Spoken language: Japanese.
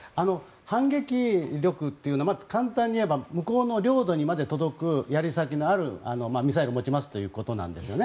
反撃力っていうのは簡単に言えば向こうの領土にまで届くやり先のあるミサイルを持ちますということなんです。